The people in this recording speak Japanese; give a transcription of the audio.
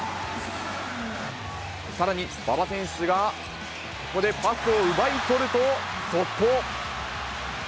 さらに、馬場選手がここでパスを奪い取ると、速攻。